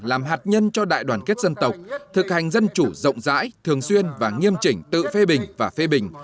làm hạt nhân cho đại đoàn kết dân tộc thực hành dân chủ rộng rãi thường xuyên và nghiêm chỉnh tự phê bình và phê bình